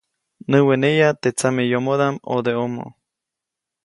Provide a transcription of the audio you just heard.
Näweneya teʼ tsameyomodaʼm ʼodeʼomo.